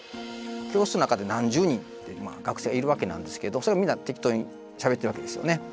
教室の中で何十人って学生がいるわけなんですけどそれがみんな適当にしゃべってるわけですよね。